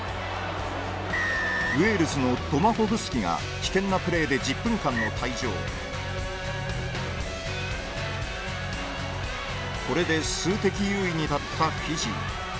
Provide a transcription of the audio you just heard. ウェールズのドマホフスキが危険なプレーで１０分間の退場これで数的優位に立ったフィジー。